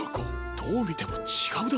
どうみてもちがうだろ。